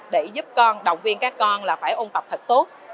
để giúp con động viên các con là phải ôn tập thật tốt